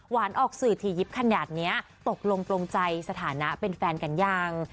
ออกสื่อถี่ยิบขนาดนี้ตกลงโปรงใจสถานะเป็นแฟนกันยัง